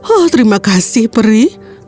oh terima kasih pri